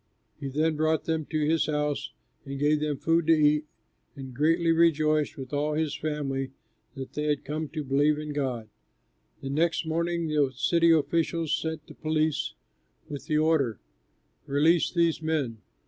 He then brought them to his house and gave them food to eat, and greatly rejoiced with all his family that they had come to believe in God. The next morning the city officials sent the police with the order, "Release these men."